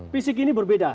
fisik ini berbeda